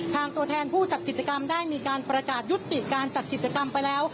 ตัวแทนผู้จัดกิจกรรมได้มีการประกาศยุติการจัดกิจกรรมไปแล้ว